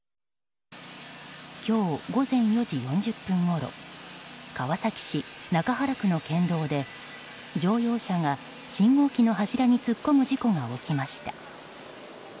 今日午前４時４０分ごろ川崎市中原区の県道で乗用車が信号機の柱に突っ込む事故が起きました。